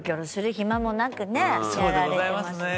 暇もなくねやられてますもんね。